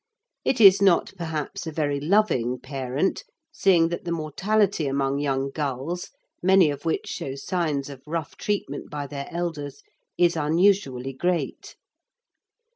It is not perhaps a very loving parent, seeing that the mortality among young gulls, many of which show signs of rough treatment by their elders, is unusually great.